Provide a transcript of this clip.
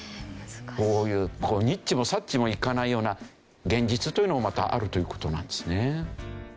こういうにっちもさっちもいかないような現実というのもまたあるという事なんですね。